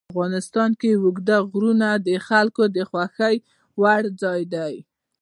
افغانستان کې اوږده غرونه د خلکو د خوښې وړ ځای دی.